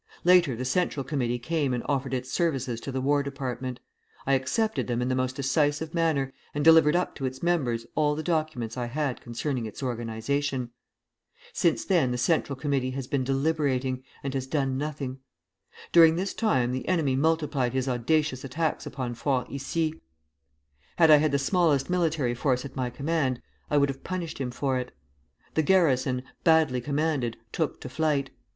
Later the Central Committee came and offered its services to the War Department. I accepted them in the most decisive manner, and delivered up to its members all the documents I had concerning its organization. Since then the Central Committee has been deliberating, and has done nothing. During this time the enemy multiplied his audacious attacks upon Fort Issy; had I had the smallest military force at my command, I would have punished him for it. The garrison, badly commanded, took to flight.